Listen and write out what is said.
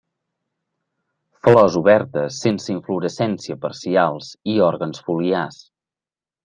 Flors obertes, sense inflorescència parcials i òrgans foliars.